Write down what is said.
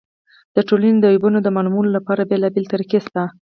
د ټولني د عیبونو د معلومولو له پاره بېلابېلې طریقي سته.